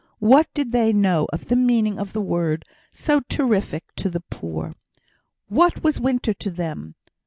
What did they know of the meaning of the word, so terrific to the poor? What was winter to them?